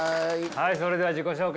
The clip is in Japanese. はいそれでは自己紹介